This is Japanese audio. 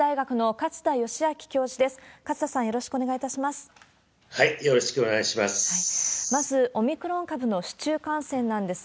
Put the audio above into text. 勝田さん、よろしくお願いします。